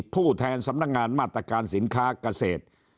ผู้แทนสำนักงานมาตรการสินค้าเกษตร